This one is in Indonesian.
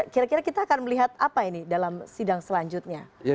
kira kira kita akan melihat apa ini dalam sidang selanjutnya